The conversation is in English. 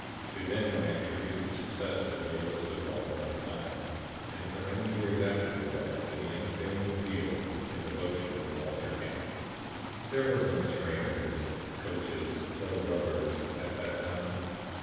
To them I attribute the success of Yale's football in my time, and for many years after that to the unfailing zeal and devotion of Walter Camp. "There were no trainers, coaches, or rubbers at that time.